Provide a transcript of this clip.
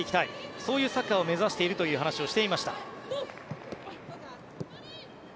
そういうサッカーを目指しているという話をしていました。